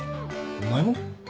お前も？